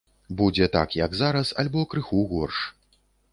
Будзе так, як зараз, альбо крыху горш.